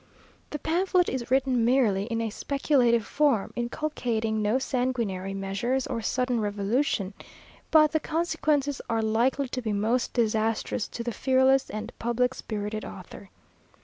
The pamphlet is written merely in a speculative form, inculcating no sanguinary measures, or sudden revolution; but the consequences are likely to be most disastrous to the fearless and public spirited author.